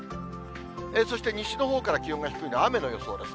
そして、西のほうから気温が低いので、雨の予想です。